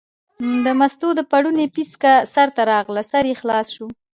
د مستو د پړوني پیڅکه سر ته راغله، سر یې خلاص شو.